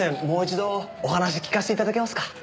もう一度お話聞かせて頂けますか？